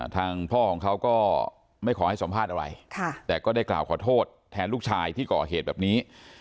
ทางพ่อของเขาก็ไม่ขอให้สัมภาษณ์อะไรแต่ก็ได้กล่าวขอโทษแทนลูกชายที่ก่อเหตุแบบนี้